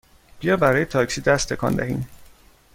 بیا برای تاکسی دست تکان دهیم!